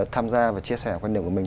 tham gia và chia sẻ quan điểm của mình